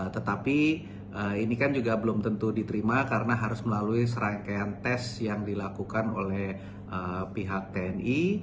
tetapi ini kan juga belum tentu diterima karena harus melalui serangkaian tes yang dilakukan oleh pihak tni